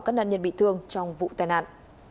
các nạn nhân bị thương trong vụ tai nạn